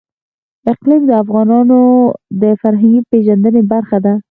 اقلیم د افغانانو د فرهنګي پیژندنې برخه ده.